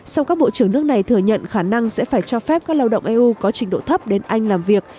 song các bộ trưởng nước này thừa nhận khả năng sẽ phải cho phép các lao động eu có trình độ thấp đến anh làm việc